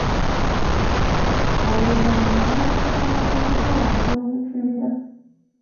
Oluvanyuma baamusanga ku muti waggulu mu kibira.